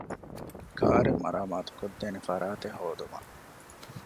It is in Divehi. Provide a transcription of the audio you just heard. ކާރެއް މަރާމާތުކޮށްދޭނެ ފަރާތެއް ހޯދުމަށް